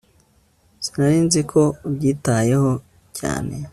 sinari nzi ko ubyitayeho cyane